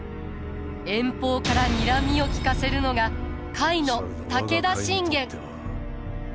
遠方からにらみを利かせるのが甲斐の武田信玄。